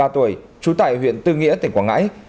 hai mươi ba tuổi trú tại huyện tư nghĩa tỉnh quảng ngãi